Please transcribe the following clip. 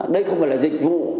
đây không phải là dịch vụ